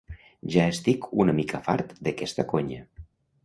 Ja estic una mica fart d'aquesta conya.